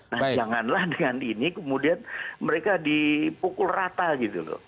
nah janganlah dengan ini kemudian mereka dipukul rata gitu loh